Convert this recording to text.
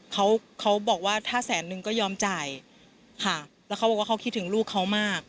เขาเขาบอกว่าถ้าแสนนึงก็ยอมจ่ายค่ะแล้วเขาบอกว่าเขาคิดถึงลูกเขามาก